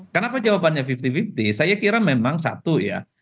kenapa jawabannya lima puluh lima puluh saya kira memang satu ya